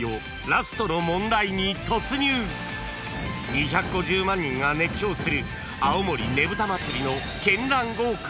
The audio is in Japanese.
［２５０万人が熱狂する青森ねぶた祭の］